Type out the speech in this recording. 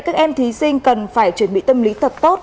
các em thí sinh cần phải chuẩn bị tâm lý thật tốt